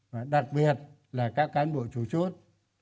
và đặc biệt là các cán bộ chủ chốt